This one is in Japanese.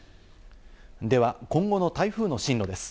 では今後の台風の進路です。